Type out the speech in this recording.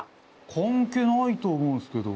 関係ないと思うんすけど。